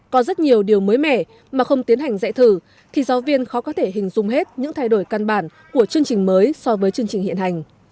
có rất nhiều điều mới mẻ mà không tiến hành dạy thử thì giáo viên khó có thể hình dung hết những thay đổi căn bản của chương trình mới so với chương trình hiện hành